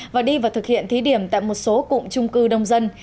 và đi vào thực hiện thí điểm tại một số cụm trung cư đông dân